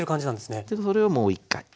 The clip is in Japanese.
それをもう一回。